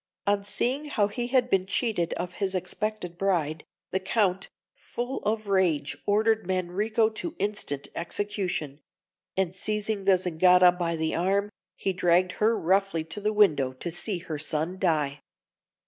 On seeing how he had been cheated of his expected bride, the Count, full of rage, ordered Manrico to instant execution; and seizing the Zingara by the arm, he dragged her roughly to the window to see her son die.